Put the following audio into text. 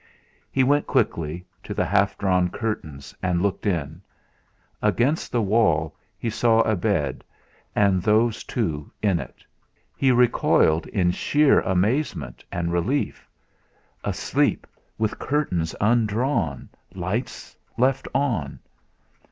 He went quickly, to the half drawn curtains and looked in. Against the wall he saw a bed, and those two in it. He recoiled in sheer amazement and relief. Asleep with curtains undrawn, lights left on?